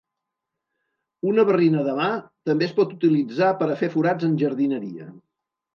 Una barrina de mà també es pot utilitzar per a fer forats en jardineria.